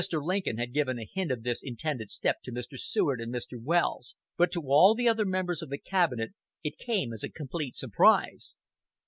Lincoln had given a hint of this intended step to Mr. Seward and Mr. Welles, but to all the other members of the cabinet it came as a complete surprise.